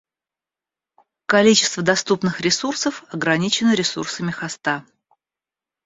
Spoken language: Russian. Количество доступных ресурсов ограничено ресурсами хоста